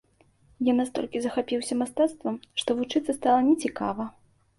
Я настолькі захапіўся мастацтвам, што вучыцца стала не цікава.